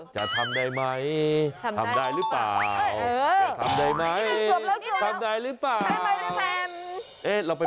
จะทำได้ไหมทำได้หรือเปล่า